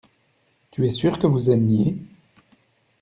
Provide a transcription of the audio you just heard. Tu es sûr que vous aimiez.